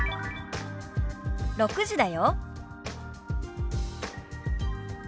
「６時だよ」。